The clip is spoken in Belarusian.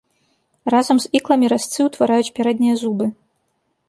Разам з ікламі разцы ўтвараюць пярэднія зубы.